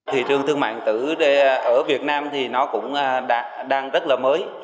thị trường thương mại tử ở việt nam thì nó cũng đang rất là mới